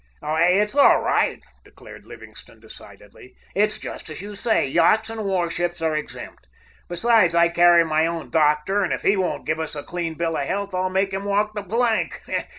"It's all right," declared Livingstone decidedly. "It's just as you say; yachts and warships are exempt. Besides, I carry my own doctor, and if he won't give us a clean bill of health, I'll make him walk the plank.